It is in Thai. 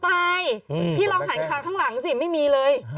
พี่ลองหันคาข้างหลังสิไม่มีเลย